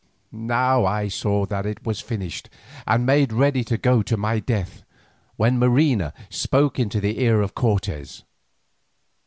Now I saw that it was finished, and made ready to go to my death, when Marina spoke into the ear of Cortes.